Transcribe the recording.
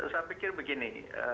saya pikir begini